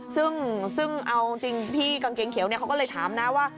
ซึ่งเอาจริงพี่กางเกงเขียวเขาก็เลยถามนะว่า